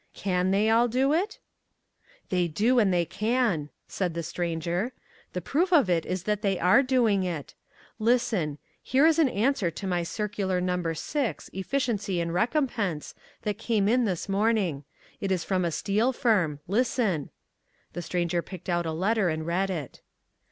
"Can they all do it?" "They do, and they can," said the Stranger. "The proof of it is that they are doing it. Listen. Here is an answer to my circular No. 6, Efficiency and Recompense, that came in this morning. It is from a steel firm. Listen." The Stranger picked out a letter and read it.